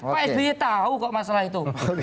pak sby tahu kok masalah itu